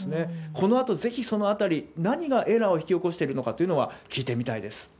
このあとぜひそのあたり、何がエラーを引き起こしてるのかというのは聞いてみたいです。